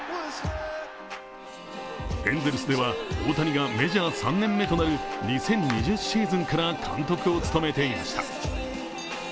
エンゼルスでは、大谷がメジャー３年目となる２０２０シーズンから監督を務めていました。